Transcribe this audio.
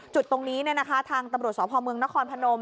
จุดตรงนี้นะคะทางตำรวจสอบภอมเมืองนครพนม